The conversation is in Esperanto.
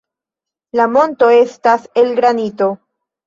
La monto estas el granito.